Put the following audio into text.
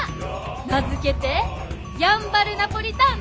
名付けてやんばるナポリタン！